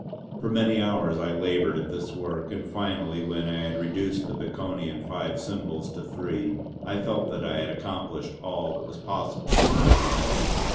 For many hours I laboured at this work, and finally when I had reduced the Baconian five symbols to three I felt that I had accomplished all that was possible in that way.